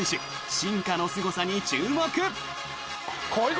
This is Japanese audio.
進化のすごさに注目。